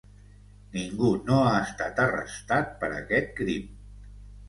Ningú no ha estat arrestat per aquest crim.